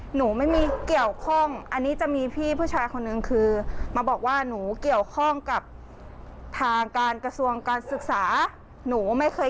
หนูไม่ได้เป็นอาสาอะไรเลย